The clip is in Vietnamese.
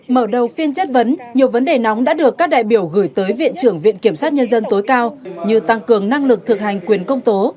mở đầu phiên chất vấn nhiều vấn đề nóng đã được các đại biểu gửi tới viện trưởng viện kiểm sát nhân dân tối cao như tăng cường năng lực thực hành quyền công tố